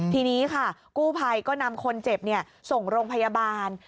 ทีนี้ค่ะกู้ภัยก็นำคนเจ็บส่งโรงพยาบาล